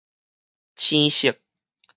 青色